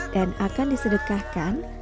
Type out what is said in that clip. dan akan disedekahkan